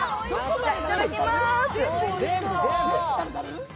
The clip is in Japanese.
いただきます。